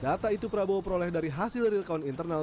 data itu prabowo peroleh dari hasil real count internal